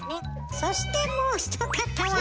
そしてもう一方は！